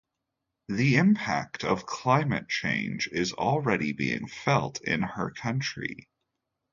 The impact of climate change is already being felt in her country.